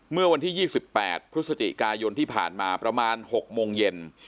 เมื่อวันที่๒๘พฤศจิกายนที่ผ่านมาประมาณ๖โมงเย็น